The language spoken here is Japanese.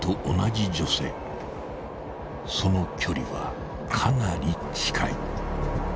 ［その距離はかなり近い］